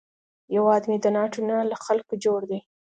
هیواد مې د ناټو نه، له خلکو جوړ دی